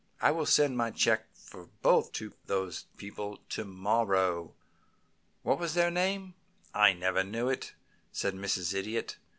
I will send my check for both to those people to morrow. What was their name?" "I never knew," said Mrs. Idiot.